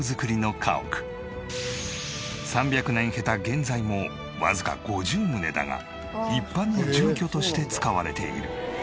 ３００年経た現在もわずか５０棟だが一般の住居として使われている。